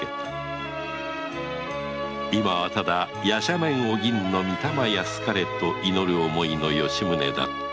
今はただ夜叉面お銀の御霊安かれと祈る思いの吉宗だった